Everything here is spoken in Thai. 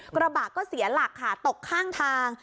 กระบะก็เสียหลักค่ะตกข้างทาง